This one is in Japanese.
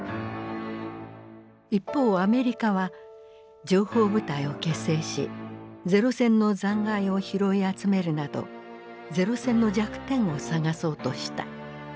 一方アメリカは情報部隊を結成し零戦の残骸を拾い集めるなど零戦の弱点を探そうとした。